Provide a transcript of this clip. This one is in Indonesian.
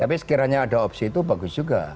tapi sekiranya ada opsi itu bagus juga